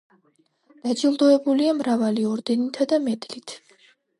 დაჯილდოებულია მრავალი ორდენითა და მედლით.